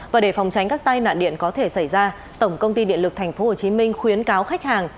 và để phòng tránh các tai nạn điện có thể xảy ra tổng công ty điện lực tp hcm khuyến cáo khách hàng